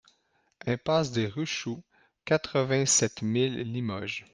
Impasse des Ruchoux, quatre-vingt-sept mille Limoges